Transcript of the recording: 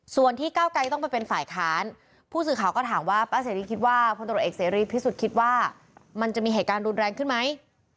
ส่วนที่เก้าไกรต้องไปเป็นฝ่ายค้านผู้สื่อข่าวก็ถามว่าป้าเสรีคิดว่าพลตรวจเอกเสรีพิสุทธิ์คิดว่ามันจะมีเหตุการณ์รุนแรงขึ้นไหม